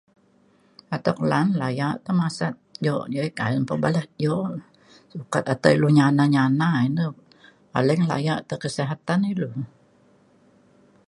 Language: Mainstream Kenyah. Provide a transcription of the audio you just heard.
atek lan laya te masat jok [unintelligible] ka’ang ka balah jok sukat atai lu nyana nyana ine paling laya te kesihatan ilu